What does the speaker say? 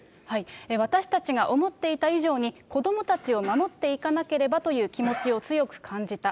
私たちが思っていた以上に子どもたちを守っていかなければという気持ちを強く感じた。